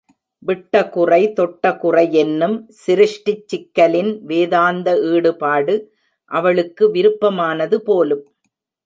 விட்டகுறை தொட்டகுறையென்னும் சிருஷ்டிச்சிக்கலின் வேதாந்த ஈடுபாடு அவளுக்கு விருப்பமானது போலும்.